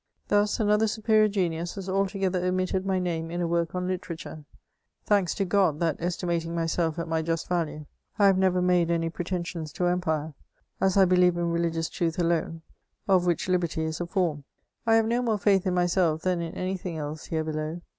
Thus, another superior genius has altogether omitted my name in a work on Literature, Thanks to God, that estimating myself at my just value, I have never made any pretensions to empire ; as I believe in religious truth alone, of which liberty is a form, I have no more faith in myself than in any thing else here below.